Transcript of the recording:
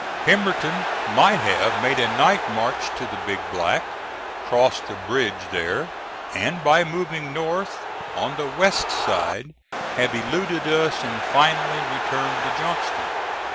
Pemberton might have made a night march to the Big Black, crossed the bridge there and, by moving north on the west side, have eluded us and finally returned to Johnston.